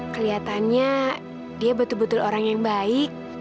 kelihatannya dia betul betul orang yang baik